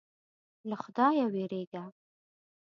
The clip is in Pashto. له خدایه وېرېږه.